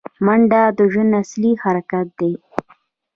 منډه د ژوند اصلي حرکت دی